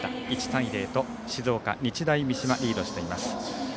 １対０と静岡・日大三島がリードしています。